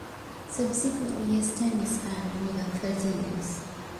Subsequently his tenure spanned more than thirty years.